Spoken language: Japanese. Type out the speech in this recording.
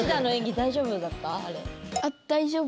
大丈夫。